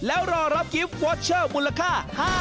แล้วรอรับกิฟต์วอเชอร์มูลค่า